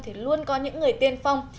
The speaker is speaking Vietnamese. thì luôn có những người tiên phong